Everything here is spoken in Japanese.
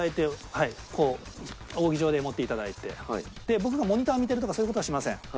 僕がモニターを見てるとかそういう事はしません。